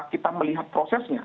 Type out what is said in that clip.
kita melihat prosesnya